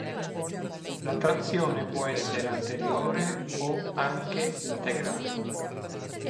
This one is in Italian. La trazione può essere anteriore o anche integrale.